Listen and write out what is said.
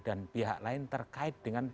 dan pihak lain terkait dengan